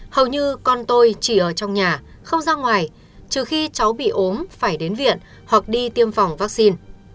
hầu như con tôi chỉ ở trong nhà không ra ngoài trừ khi cháu bị ốm phải đến viện hoặc đi tiêm phòng vaccine